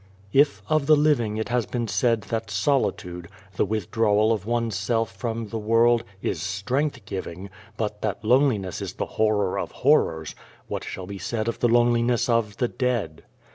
If of the living it has been said that solitude, the withdrawal of oneself from the world, is strength giving, but that loneliness is the horror of horrors, what shall be said of the loneliness of the dead?